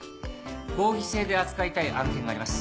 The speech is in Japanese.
合議制で扱いたい案件があります。